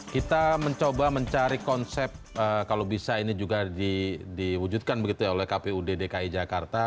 kita mencoba mencari konsep kalau bisa ini juga diwujudkan begitu ya oleh kpud dki jakarta